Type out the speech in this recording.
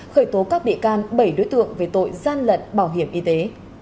khởi tố các bị can bảy đối tượng về tội gian lận bảo hiểm y tế